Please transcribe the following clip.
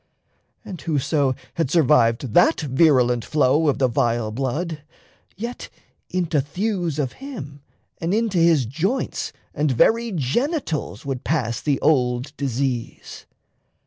And whoso had survived that virulent flow Of the vile blood, yet into thews of him And into his joints and very genitals Would pass the old disease.